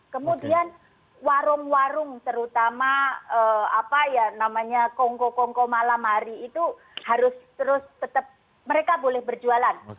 kemudian warung warung terutama kongko kongko malamari itu harus terus tetap mereka boleh berjualan